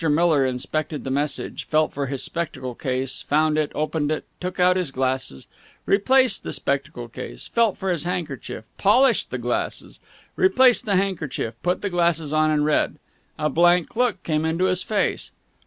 Miller inspected the message, felt for his spectacle case, found it, opened it, took out his glasses, replaced the spectacle case, felt for his handkerchief, polished the glasses, replaced the handkerchief, put the glasses on, and read. A blank look came into his face.